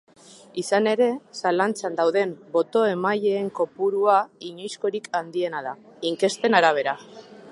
Izan ere, zalantzan dauden boto-emaileen kopurua inoizkorik handiena da, inkesten arabera.